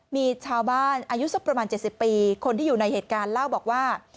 มีชาวบ้านอายุสักประมาณ๗๐ปีคนที่อยู่ในเหตุการณ์เล่าบอกว่า